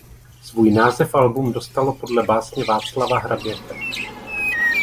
Svůj název album dostalo podle básně Václava Hraběte.